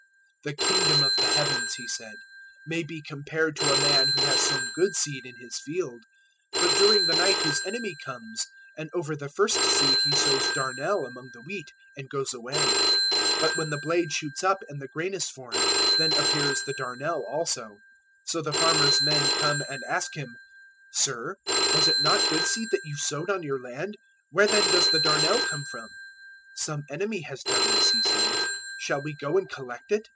"The Kingdom of the Heavens," He said, "may be compared to a man who has sown good seed in his field, 013:025 but during the night his enemy comes, and over the first seed he sows darnel among the wheat, and goes away. 013:026 But when the blade shoots up and the grain is formed, then appears the darnel also. 013:027 "So the farmer's men come and ask him, "`Sir, was it not good seed that you sowed on your land? Where then does the darnel come from?' 013:028 "`Some enemy has done this,' he said. "`Shall we go, and collect it?'